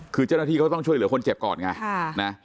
คือเจ้าหน้าที่เขาต้องช่วยเหลือคนเจ็บก่อนไง